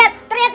mana belum lunas